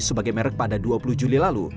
sebagai merek pada dua puluh juli lalu